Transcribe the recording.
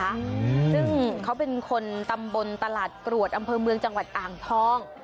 ซึ่งเขาเป็นคนตำบลตลาดกรวดอำเภอเมืองจังหวัดอ่างทอง